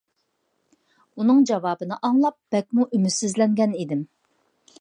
ئۇنىڭ جاۋابىنى ئاڭلاپ بەكمۇ ئۈمىدسىزلەنگەن ئىدىم.